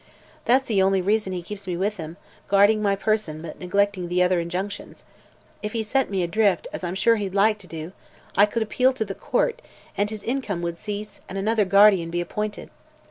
That's the only reason he keeps me with him, guarding my person but neglecting the other injunctions. If he set me adrift, as I'm sure he'd like to do, I could appeal to the court and his income would cease and another guardian be appointed.